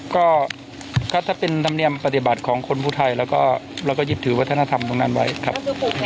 ก็ถ้าเป็นธรรมเนียมปฏิบัติของคนผู้ไทยแล้วก็เราก็หยิบถือวัฒนธรรมตรงนั้นไว้ครับ